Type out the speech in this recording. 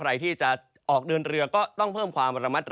ใครที่จะออกเดินเรือก็ต้องเพิ่มความระมัดระวัง